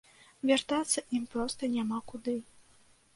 Вяртацца ім проста няма куды.